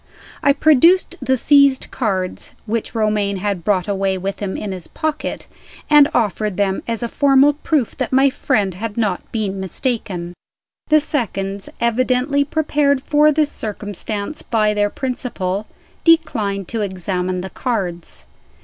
I produced the seized cards (which Romayne had brought away with him in his pocket), and offered them as a formal proof that my friend had not been mistaken. The seconds evidently prepared for this circumstance by their principal declined to examine the cards.